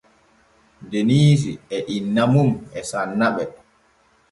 Deniisi e inna mum e sanna ɓe.